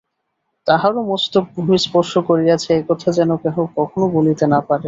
তাঁহারও মস্তক ভূমিস্পর্শ করিয়াছে, এ কথা যেন কেহ কখনও বলিতে না পারে।